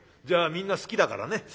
じゃあみんな好きだからね。